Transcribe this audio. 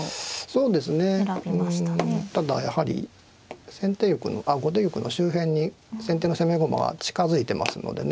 うんただやはり後手玉の周辺に先手の攻め駒が近づいてますのでね